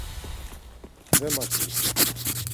Δε μ’ ακούς